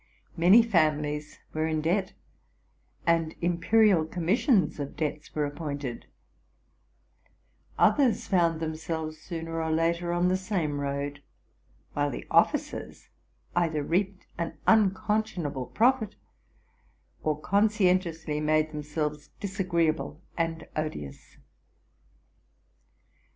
Many families were in debt, and Imperial Commissions of Debts were ap pointed; others found themselves sooner or later on the same road: while the officers either reaped an unconscion able profit, or conscientiously made themselves disagreeable and odious.